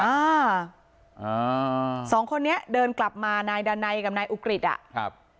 อ่าอ่าสองคนนี้เดินกลับมานายดันัยกับนายอุกฤษอ่ะครับ